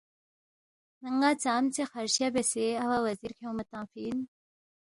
ن٘ا ژامژے خرچہ بیاسے اوا وزیر کھیونگما تنگفی اِن